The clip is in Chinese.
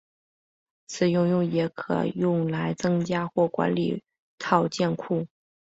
此应用也可用来增加或管理套件库。